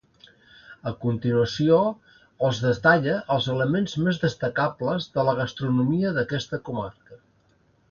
A continuació es detalla els elements més destacables de la gastronomia d'aquesta comarca.